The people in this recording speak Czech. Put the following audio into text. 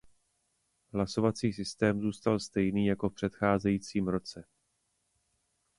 Hlasovací systém zůstal stejný jako v předcházejícím roce.